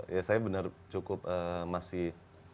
ya saya benar cukup masih